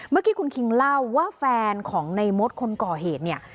เมื่อกี้คุณคิงเล่าว่าแฟนของในมดคนก่อเหตุเนี่ย